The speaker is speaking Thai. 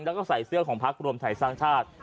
แล้วก็ใส่เสื้อของพักรวมไทยสร้างชาติ